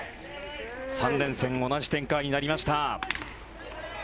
３連戦、同じ展開になりました。